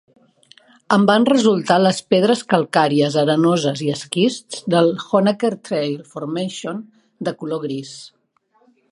En van resultar les pedres calcàries, arenoses i esquists del Honaker Trail Formation, de color gris.